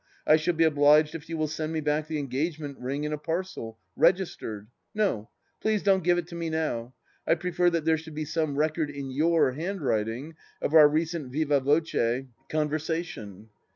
I shall be obliged if you will send me back the engagement ring in a parcel, registered — no ; please don't give it me now. I prefer that there should be some record in your handwriting of our recent viva voce con versation."